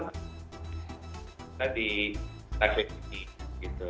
kita di safety gitu